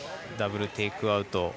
ダブルテイクアウト。